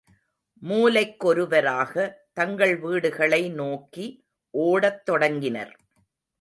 மூலைக்கொருவராக தங்கள் வீடுகளை நோக்கி ஓடத் தொடங்கினர்.